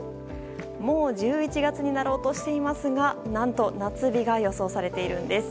もう１１月になろうとしていますが何と夏日が予想されているんです。